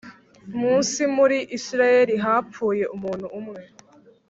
munsi muri Isirayeli hapfuye umuntu umwe